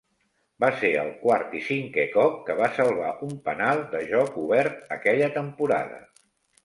Va ser el quart i cinquè cop que va salvar un penal de joc obert aquella temporada.